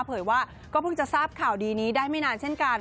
เผยว่าก็เพิ่งจะทราบข่าวดีนี้ได้ไม่นานเช่นกัน